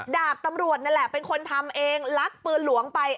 ดาบตำรวจนั่นแหละเป็นคนทำเองลักปืนหลวงไป